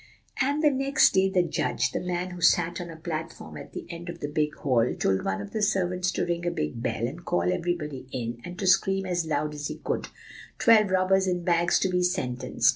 "And the next day the judge, the man who sat on a platform at the end of the big hall, told one of the servants to bring a big bell, and call everybody in, and to scream as loud as he could, 'Twelve robbers in bags to be sentenced.